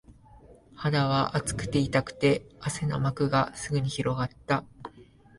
肌は熱くて、痛くて、汗の膜がすぐに広がった